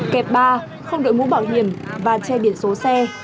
kẹp ba không đội mũ bảo hiểm và che biển số xe